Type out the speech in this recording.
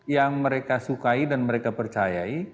yang mereka sukai dan mereka percayai